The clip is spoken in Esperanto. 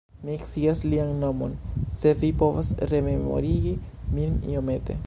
Mi scias lian nomon! Se vi povas rememorigi min iomete!